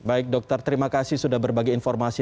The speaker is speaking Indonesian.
baik dokter terima kasih sudah berbagi informasi